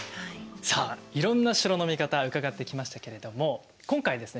さあいろんな城の見方伺ってきましたけれども今回ですね